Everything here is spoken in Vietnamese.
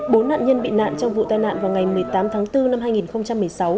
bốn nạn nhân bị nạn trong vụ tai nạn vào ngày một mươi tám tháng bốn năm hai nghìn một mươi sáu